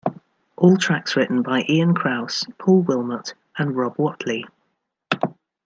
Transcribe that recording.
All tracks written by Ian Crause, Paul Wilmott and Rob Whatley.